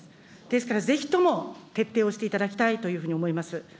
ですからぜひとも徹底をしていただきたいというふうに思います。